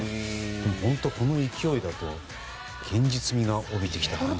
でもこの勢いだと現実味が帯びてきたと。